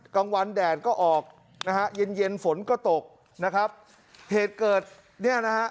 กลางวันแดดก็ออกนะฮะเย็นเย็นฝนก็ตกนะครับเหตุเกิดเนี่ยนะฮะ